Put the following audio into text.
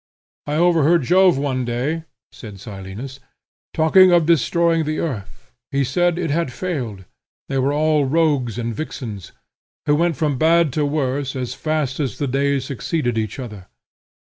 'I overheard Jove, one day,' said Silenus, 'talking of destroying the earth; he said it had failed; they were all rogues and vixens, who went from bad to worse, as fast as the days succeeded each other.